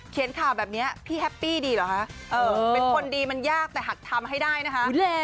ข่าวแบบนี้พี่แฮปปี้ดีเหรอคะเป็นคนดีมันยากแต่หัดทำให้ได้นะคะ